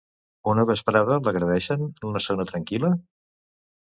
Una vesprada l'agredeixen en una zona tranquil·la?